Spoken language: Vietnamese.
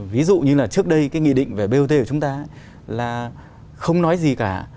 ví dụ như là trước đây cái nghị định về bot của chúng ta là không nói gì cả